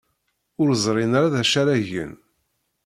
Ur ẓrin ara d acu ara gen.